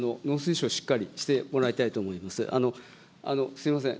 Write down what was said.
すみません。